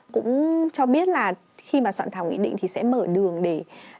cũng cho biết là khi mà soạn thảo nghị định thì sẽ mở đường để